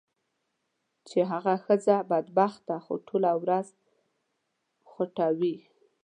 چې هغه ښځه بدبخته خو ټوله ورځ خوټوي.